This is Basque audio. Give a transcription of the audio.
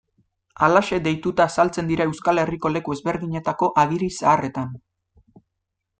Halaxe deituta azaltzen dira Euskal Herriko leku ezberdinetako agiri zaharretan.